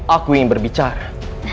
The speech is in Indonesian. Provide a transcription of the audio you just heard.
aku ingin berbicara